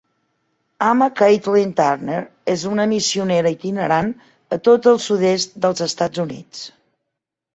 Amma Caitlin Turner és una missionera itinerant a tot el sud-est dels Estats Units.